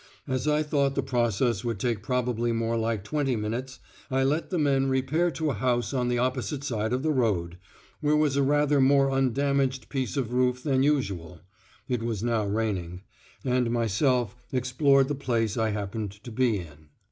As I thought the process would take probably more like twenty minutes, I let the men repair to a house on the opposite side of the road, where was a rather more undamaged piece of roof than usual (it was now raining), and myself explored the place I happened to be in.